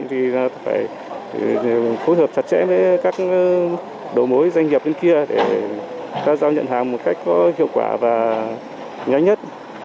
thì phải phối hợp chặt chẽ với các đồ mối doanh nghiệp đến kia để ta giao nhận hàng một cách có hiệu quả và nhanh nhất